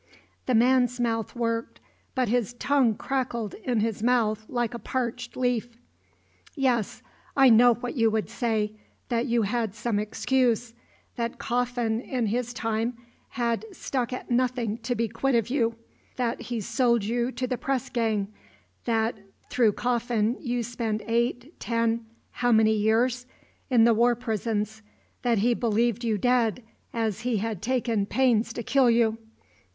The man's mouth worked, but his tongue crackled in his mouth like a parched leaf. "Yes, I know what you would say; that you had some excuse that Coffin in his time had stuck at nothing to be quit of you; that he sold you to the press gang; that through Coffin you spent eight, ten how many years?' in the war prisons; that he believed you dead, as he had taken pains to kill you.